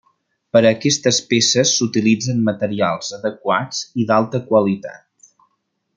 Per a aquestes peces s'utilitzen materials adequats i d'alta qualitat.